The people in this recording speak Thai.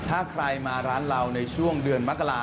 ถ้าใครมาร้านเราในช่วงเดือนมกรา